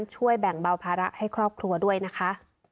ช่วยแบ่งเบาภาระให้ครอบครัวด้วยนะคะ